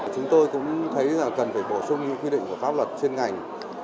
chúng tôi cũng thấy là cần phải bổ sung những quy định của pháp luật trên ngành